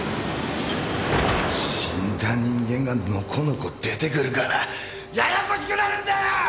死んだ人間がのこのこ出てくるからややこしくなるんだよ！